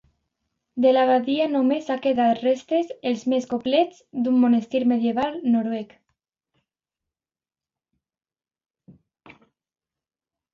De l'abadia només ha quedat restes, els més complets d'un monestir medieval noruec.